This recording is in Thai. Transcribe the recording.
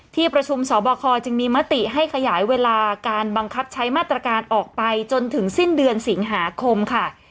ที่ประชุมสอบคอจึงมีมติให้ขยายเวลาการบังคับใช้มาตรการออกไปจนถึงสิ้นเดือนสิงหาคมค่ะ